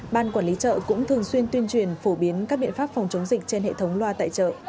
ban quản lý chợ cũng thường xuyên tuyên truyền phổ biến các biện pháp phòng chống dịch trên hệ thống loa tại chợ